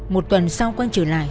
một tuần sau quang trở lại